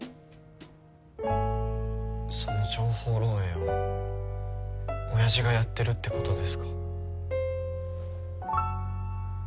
その情報漏えいを親父がやってるってことですか？